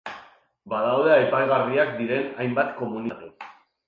Badaude aipagarriak diren hainbat komunitate.